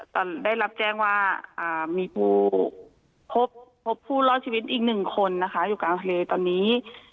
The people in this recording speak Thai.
ได้รับแจ้งว่ามีผู้พบผู้รอดชีวิตอีกหนึ่งคนนะคะอยู่กลางทะเลตอนนี้